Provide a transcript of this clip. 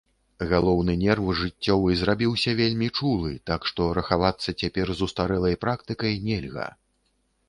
Галоўны нерв жыццёвы зрабіўся вельмі чулы, так што рахавацца цяпер з устарэлай практыкай нельга.